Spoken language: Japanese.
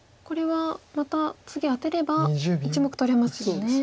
これはまた次アテれば１目取れますよね。